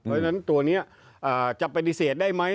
เพราะฉะนั้นตัวนี้จะปฏิเสธได้ไหม